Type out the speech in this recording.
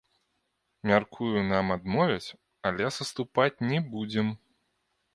Мяркую, нам адмовяць, але саступаць не будзем.